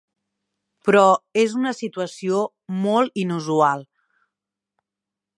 Però és una situació molt inusual.